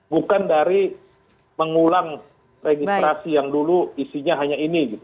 bukan dari mengulang registrasi yang dulu isinya hanya ini